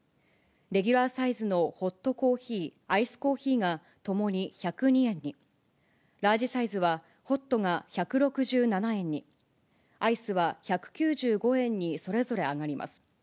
レギュラーサイズのホットコーヒー、アイスコーヒーが、ともに１０２円に、ラージサイズはホットが１６７円に、アイスは１９５円に、それぞれ上がります。